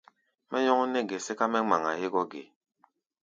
Mɛ́ nyɔ́ŋ nɛ́ ge sɛ́ká mɛ́ ŋmaŋa hégɔ́ ge?